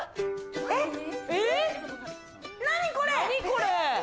これ！